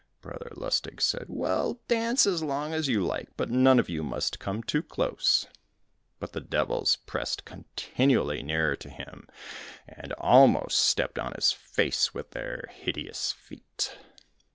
Brother Lustig said, "Well, dance as long as you like, but none of you must come too close." But the devils pressed continually nearer to him, and almost stepped on his face with their hideous feet.